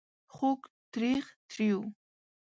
خوږ .. تریخ ... تریو ...